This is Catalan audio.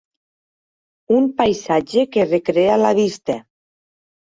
Un paisatge que recrea la vista.